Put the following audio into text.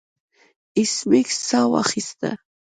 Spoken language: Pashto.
ایس میکس ساه واخیسته